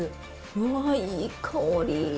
うわぁ、いい香り。